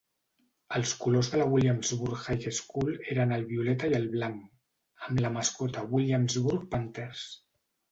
Els colors de la Williamsburg High School eren el violeta i el blanc, amb la mascota Williamsburg Panthers.